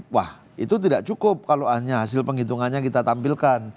wah itu tidak cukup kalau hanya hasil penghitungannya kita tampilkan